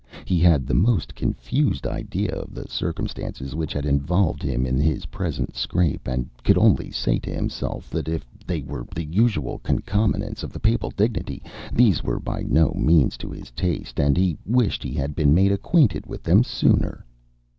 He had the most confused idea of the circumstances which had involved him in his present scrape, and could only say to himself that if they were the usual concomitants of the Papal dignity, these were by no means to his taste, and he wished he had been made acquainted with them sooner.